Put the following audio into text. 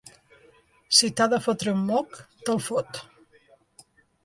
Si t’ha de fotre un moc, te’l fot.